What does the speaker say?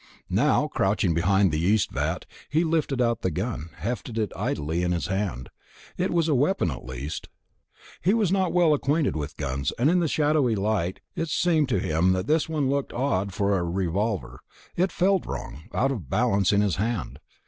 Now, crouching behind the yeast vat, he lifted out the gun, hefted it idly in his hand. It was a weapon, at least. He was not well acquainted with guns, and in the shadowy light it seemed to him that this one looked odd for a revolver; it even felt wrong, out of balance in his hand.